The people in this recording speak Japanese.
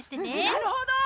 なるほど。